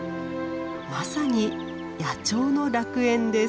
まさに「野鳥の楽園」です。